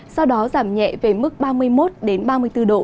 sau đó giảm nhẹ về mức ba mươi một ba mươi bốn độ